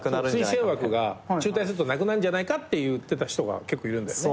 推薦枠が中退するとなくなんじゃないかって言ってた人が結構いるんだよね。